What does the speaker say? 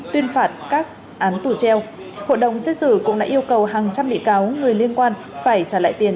tuyên phạt các án tù treo hội đồng xét xử cũng đã yêu cầu hàng trăm bị cáo người liên quan phải trả lại tiền